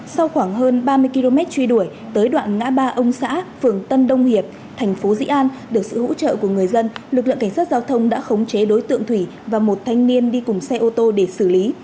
sau khoảng hơn ba mươi km truy đuổi tới đoạn ngã ba ông xã phường tân đông hiệp thành phố dĩ an được sự hỗ trợ của người dân lực lượng cảnh sát giao thông đã khống chế đối tượng thủy và một thanh niên đi cùng xe ô tô để xử lý